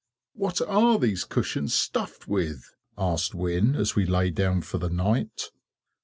"What are these cushions stuffed with?" asked Wynne, as we lay down for the night.